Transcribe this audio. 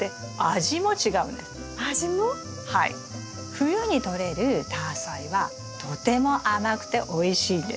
冬にとれるタアサイはとても甘くておいしいんです。